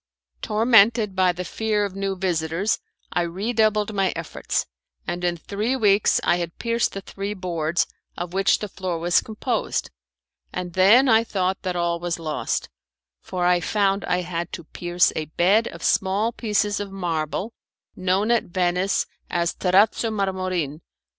Tormented by the fear of new visitors I redoubled my efforts, and in three weeks I had pierced the three boards of which the floor was composed; and then I thought that all was lost, for I found I had to pierce a bed of small pieces of marble known at Venice as terrazzo marmorin.